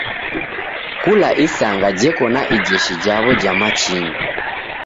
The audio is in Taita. Kula isanga jeko na ijeshi jaw'o ja machinyi.